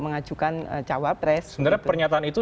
mengajukan cawapres sebenarnya pernyataan itu